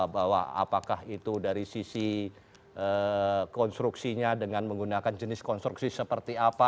bahwa apakah itu dari sisi konstruksinya dengan menggunakan jenis konstruksi seperti apa